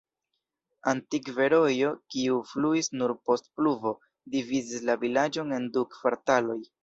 Antikve rojo, kiu fluis nur post pluvo, dividis la vilaĝon en du kvartaloj.